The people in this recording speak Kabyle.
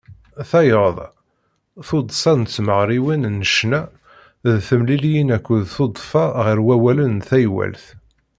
Tayeḍ, tuddsa n tmeɣriwin n ccna d temliliyin akked tudfa ɣer wallalen n taywalt.